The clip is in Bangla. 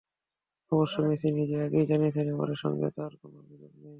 অবশ্য মেসি নিজেই আগে জানিয়েছেন, এসবের সঙ্গে তাঁর কোনো যোগ নেই।